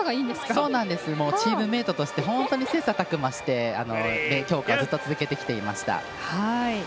チームメートとして本当に切さたく磨して強化をずっと続けてきていました。